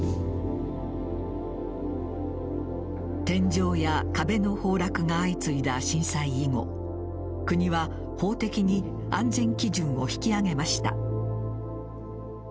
天井や壁の崩落が相次いだ震災以後国は法的に安全基準を引き上げました。